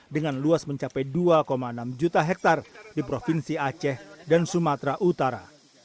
dengan luas mencapai dua enam juta hektare di provinsi aceh dan sumatera utara